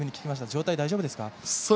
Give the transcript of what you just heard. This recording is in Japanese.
状態、大丈夫ですか。